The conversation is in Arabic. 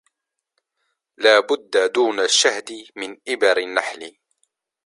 لا بد دون الشهد من إبر النحل